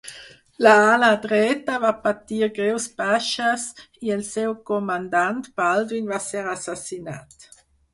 L'ala dreta va patir greus baixes i el seu comandant, Baldwin, va ser assassinat.